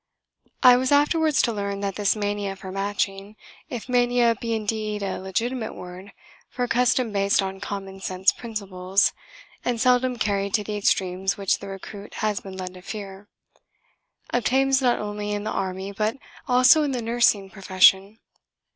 I was afterwards to learn that this mania for matching (if mania be indeed a legitimate word for a custom based on common sense principles and seldom carried to the extremes which the recruit has been led to fear) obtains not only in the army but also in the nursing profession.